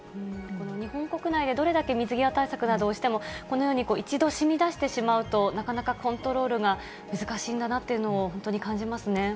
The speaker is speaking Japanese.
この日本国内でどれだけ水際対策などをしても、このように一度染み出してしまうと、なかなかコントロールが難しいんだなというのを本当に感じますね。